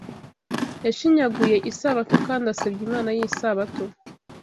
Yashinyaguye Isabato, kandi asebya Imana y'Isabato